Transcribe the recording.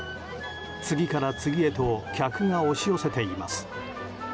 次から次へと客が押し寄せています。